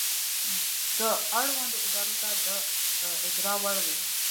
دا اړوندو ادارو ته د اجرا وړ وي.